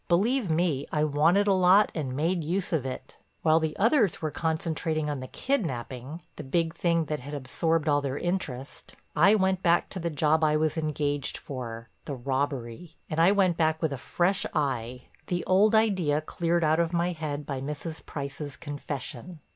Believe me, I wanted a lot and made use of it. While the others were concentrating on the kidnaping—the big thing that had absorbed all their interest—I went back to the job I was engaged for, the robbery. And I went back with a fresh eye, the old idea cleared out of my head by Mrs. Price's confession.